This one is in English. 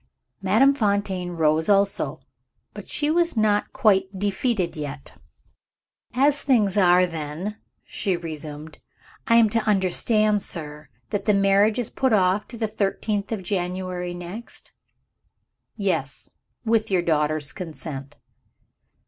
Madame Fontaine rose also but she was not quite defeated yet. "As things are, then," she resumed, "I am to understand, sir, that the marriage is put off to the thirteenth of January next?" "Yes, with your daughter's consent."